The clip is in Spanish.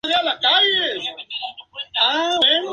La firma del grabador puede verse a la derecha.